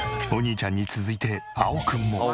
お兄ちゃんに続いて蒼くんも。